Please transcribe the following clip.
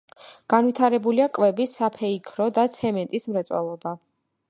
განვითარებულია კვების, საფეიქრო და ცემენტის მრეწველობა.